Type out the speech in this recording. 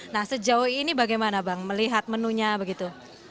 nah sejauh ini bagaimana bang melihat menunya begitu